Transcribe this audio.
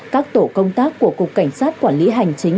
các tổ công tác của cục cảnh sát quản lý hành chính